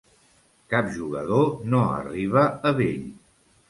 Cap jugador no arriba a vell.